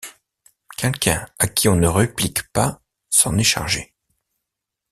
Quelqu’un à qui on ne réplique pas s’en est chargé.